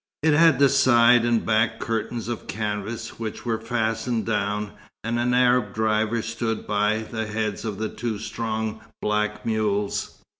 It had side and back curtains of canvas, which were fastened down, and an Arab driver stood by the heads of two strong black mules.